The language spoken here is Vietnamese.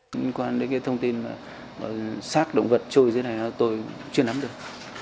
nhân quan đến cái thông tin sát động vật trôi dưới này tôi chưa nắm được